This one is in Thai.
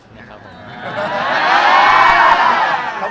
เค้าบอกว่ารอเวลาที่เหมาะสง